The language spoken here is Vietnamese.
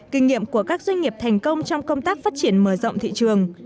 kinh nghiệm của các doanh nghiệp thành công trong công tác phát triển mở rộng thị trường